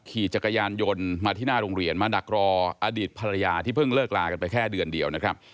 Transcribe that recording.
ขี่จักรยานยนต์มาที่หน้าโรงเรียนมาดักรออดีตภรรยาที่เพิ่งเลิกลากันไปแค่เดือนเดียวนะครับ